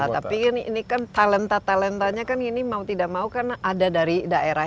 tapi kan ini kan talenta talentanya kan ini mau tidak mau kan ada dari daerah